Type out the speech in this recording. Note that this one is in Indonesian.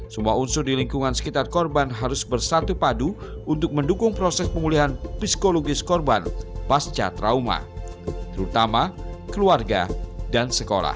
semua unsur di lingkungan sekitar korban harus diberikan